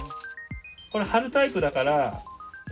これ、貼るタイプだから。